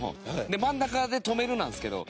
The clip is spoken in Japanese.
で真ん中で「止める」なんですけど。